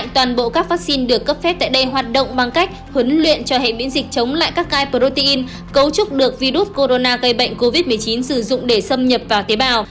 tiến luyện cho hệ biến dịch chống lại các gai protein cấu trúc được virus corona gây bệnh covid một mươi chín sử dụng để xâm nhập vào tế bào